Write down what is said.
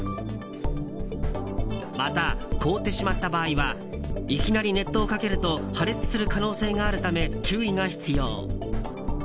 また凍ってしまった場合はいきなり熱湯をかけると破裂する可能性があるため注意が必要。